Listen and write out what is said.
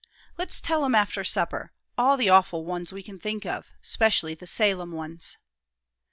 Let's tell 'em after supper, all the awful ones we can think of, 'specially the Salem ones."